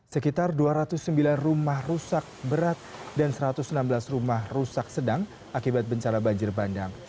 sekitar dua ratus sembilan rumah rusak berat dan satu ratus enam belas rumah rusak sedang akibat bencana banjir bandang